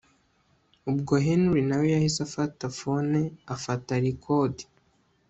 Ubwo Henry nawe yahise afata phone afata record